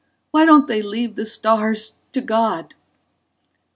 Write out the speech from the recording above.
Why don't they leave the stars to God?